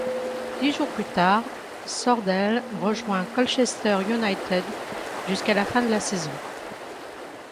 Dix jours plus tard, Sordell rejoint Colchester United jusqu'à la fin de la saison.